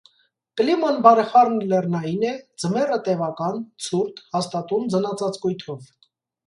Կիման բարեխառն լեռնային է, ձմեռը տևական, ցուրտ, հաստատուն ձնածածկույթով։